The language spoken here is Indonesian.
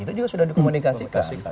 itu juga sudah dikomunikasikan